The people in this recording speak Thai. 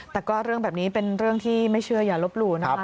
แต่ก็เรื่องแบบนี้เป็นเรื่องที่ไม่เชื่ออย่าลบหลู่นะคะ